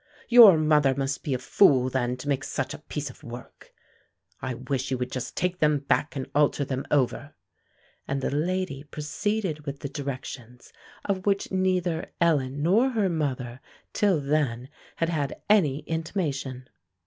"Your mother must be a fool, then, to make such a piece of work. I wish you would just take them back and alter them over;" and the lady proceeded with the directions, of which neither Ellen nor her mother till then had had any intimation.